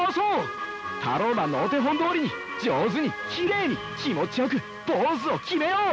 タローマンのお手本どおりに上手にきれいに気持ちよくポーズを決めよう！